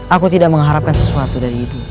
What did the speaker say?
aku tidak mengharapkan sesuatu dari ibu